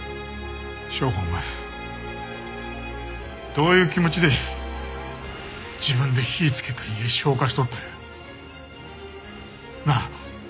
省吾お前どういう気持ちで自分で火ぃつけた家消火しとったんや。なあ。